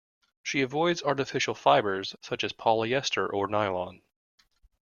She avoids artificial fibres such as polyester or nylon.